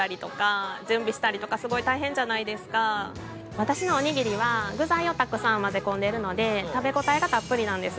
私のおにぎりは具材をたくさん混ぜ込んでいるので食べ応えがたっぷりなんです。